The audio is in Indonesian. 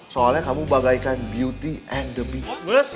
soalnya kamu bagaikan beauty and the beatless